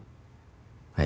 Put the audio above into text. はい。